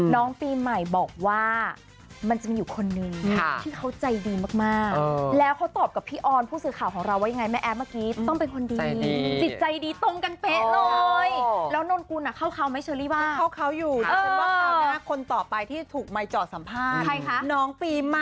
น้องพี่ใหม่เห็นซะนี้เรื่อง